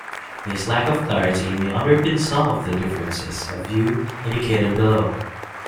This lack of clarity may underpin some of the differences of view indicated below.